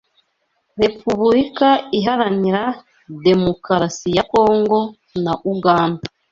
Repubulika Iharanira Demukarasi ya Kongo na Uganda